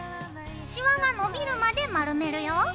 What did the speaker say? シワがのびるまで丸めるよ。